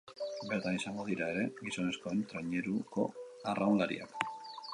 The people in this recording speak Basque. Bertan izango dira ere gizonezkoen traineruko arraunlariak.